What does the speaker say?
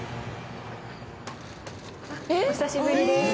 お久しぶりです。